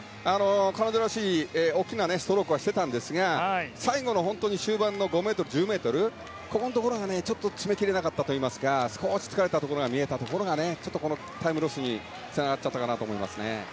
彼女らしい大きなストロークはしていたんですが終盤の５ｍ、１０ｍここのところが、ちょっと詰め切れなかったといいますか少し疲れたところが見えたのでちょっとこのタイムロスにつながっちゃったかなと思います。